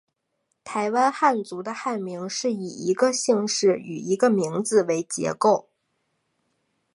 台湾汉族的汉名是以一个姓氏与一个名字为结构。